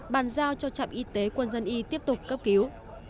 bàn giao cho trạm y tế quân dân y tiếp tục cấp cứu